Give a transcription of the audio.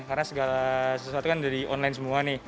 karena segala sesuatu kan dari online semua nih